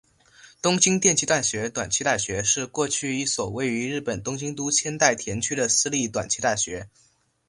东京电机大学短期大学是过去一所位于日本东京都千代田区的私立短期大学。